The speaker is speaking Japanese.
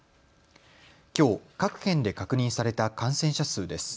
きょう、各県で確認された感染者数です。